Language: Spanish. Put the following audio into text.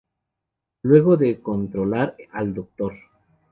Luego de controlar al Dr.